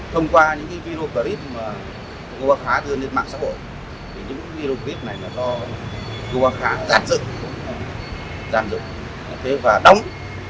thông qua những video clip mà ngô ba khá đưa lên mạng xã hội những video clip này là do ngô ba khá giam dựng và đóng